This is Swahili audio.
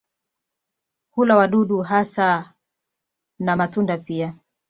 Hula wadudu hasa na matunda pia.